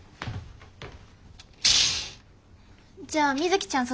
じゃあみづきちゃん